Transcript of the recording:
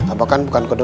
abang kan bukan kedua